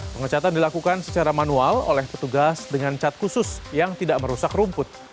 pengecatan dilakukan secara manual oleh petugas dengan cat khusus yang tidak merusak rumput